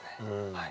はい。